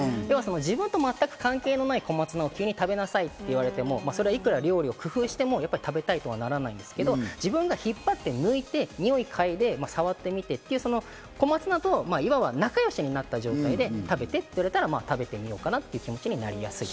自分と全く関係ない小松菜を急に食べなさいって言われても、いくら料理を工夫しても食べたいとはならないんですけど、自分が引っ張って、抜いて、匂いを嗅いで、触ってみてという小松菜といわば仲良しになった状態で食べてと言われたら、食べてみようかなという気持ちになりやすい。